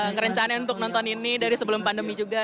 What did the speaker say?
ngerencanain untuk nonton ini dari sebelum pandemi juga